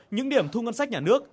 những điểm thu ngân sách nhà nước